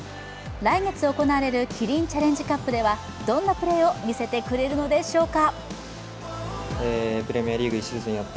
来月行われるキリンチャレンジカップではどんなプレーを見せてくれるのでしょうか。